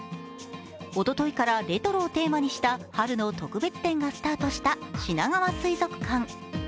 おとといからレトロをテーマにした春の特別展がスタートしたしながわ水族館。